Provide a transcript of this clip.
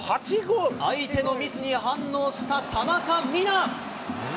相手のミスに反応した田中美南。